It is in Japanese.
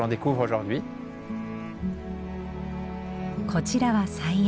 こちらは菜園。